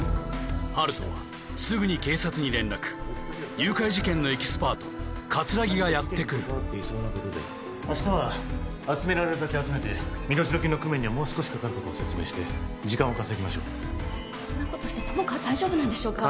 温人はすぐに警察に連絡誘拐事件のエキスパート葛城がやって来る明日は集められるだけ集めて身代金の工面にはもう少しかかることを説明して時間を稼ぎましょうそんなことして友果は大丈夫なんでしょうか？